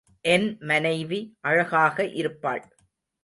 என் மனைவி அழகாக இருப்பாள்.